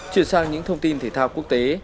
chuyển sang những thông tin thể thao quốc tế